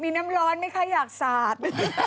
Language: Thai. มีน้ำร้อนไม่ไข่อยากสาด